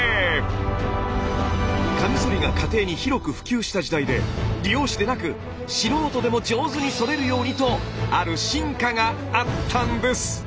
カミソリが家庭に広く普及した時代で理容師でなく素人でも上手にそれるようにとある進化があったんです！